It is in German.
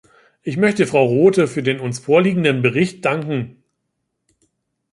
Ich möchte Frau Rothe für den uns vorliegenden Bericht danken.